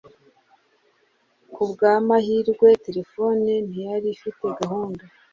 Kubwamahirwe terefone ntiyari ifite gahunda.